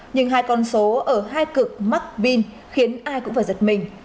nhưng hai con số ở hai cực mắc bin khiến ai cũng phải giật mình